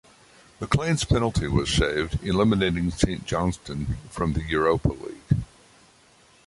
MacLean's penalty was saved, eliminating Saint Johnstone from the Europa League.